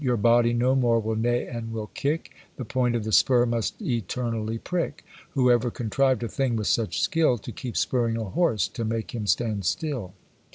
Your body no more will neigh and will kick, The point of the spur must eternally prick; Whoever contrived a thing with such skill, To keep spurring a horse to make him stand still!